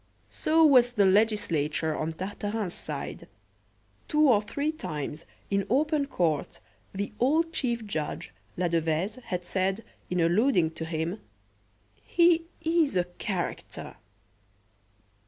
So was the legislature on Tartarin's side. Two or three times, in open court, the old chief judge, Ladevese, had said, in alluding to him: "He is a character!"